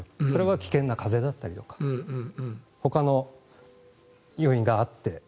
それは危険な風だったりとかほかの要因があって。